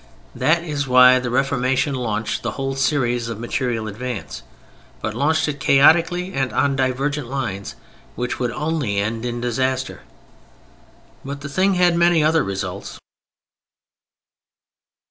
That is why the Reformation launched the whole series of material advance, but launched it chaotically and on divergent lines which would only end in disaster. But the thing had many other results.